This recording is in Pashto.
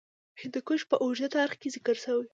هندوکش په اوږده تاریخ کې ذکر شوی.